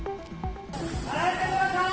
離れてください！